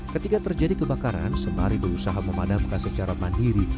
ketika terjadi kebakaran sembari berusaha memadamkan secara mandiri